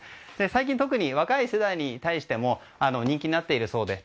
最近、特に若い世代に対しても人気になっているそうです。